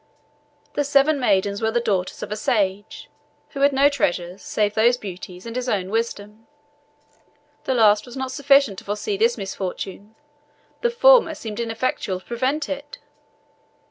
These seven maidens were the daughters of a sage, who had no treasures save those beauties and his own wisdom. The last was not sufficient to foresee this misfortune, the former seemed ineffectual to prevent it.